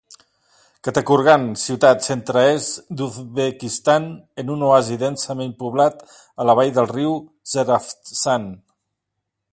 Kattakurgan, ciutat, centre-est d'Uzbekistan, en un oasi densament poblat a la vall del riu Zeravsan.